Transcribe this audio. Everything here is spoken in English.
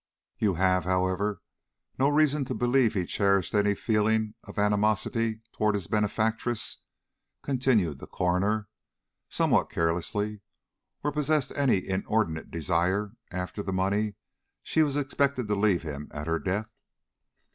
"You have, however, no reason to believe he cherished any feelings of animosity toward his benefactress?" continued the coroner, somewhat carelessly, "or possessed any inordinate desire after the money she was expecting to leave him at her death?"